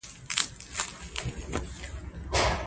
تل هڅه وکړئ چې په خپلو پښو ودرېږئ.